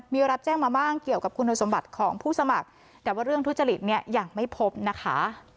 มีรับแจ้งมาบ้างเกี่ยวกับคุณสมบัติของผู้สมัครแต่ว่าเรื่องทุจริตเนี่ยยังไม่พบนะคะ